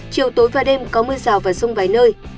chiều tối và đêm có mưa rào và rông vài nơi